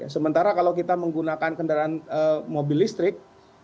sementara kalau kita menggunakan kendaraan mobil listrik